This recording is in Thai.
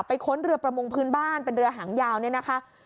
ค้นเรือประมงพื้นบ้านเป็นเรือหางยาวเนี่ยนะคะ